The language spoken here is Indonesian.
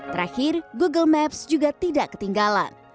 terakhir google maps juga tidak ketinggalan